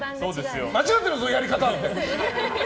間違ってるぞ、やり方！って。